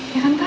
ya kan pak